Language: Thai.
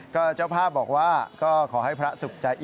ก็เจ้าภาพบอกว่าก็ขอให้พระสุขใจ